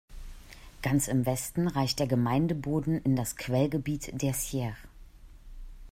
Ganz im Westen reicht der Gemeindeboden in das Quellgebiet der "Sierre".